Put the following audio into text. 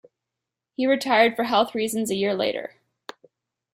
He retired for health reasons a year later.